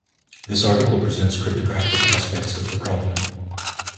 This article presents cryptographic aspects of the problem.